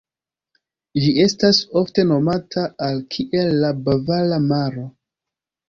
Ĝi estas ofte nomata al kiel la "Bavara Maro".